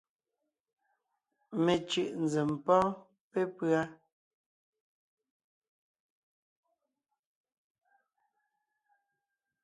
Mencʉ̀ʼ nzèm pɔ́ɔn pépʉ́a: